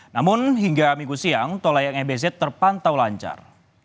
namun hingga minggu siang tol layang mbz terpantau lancar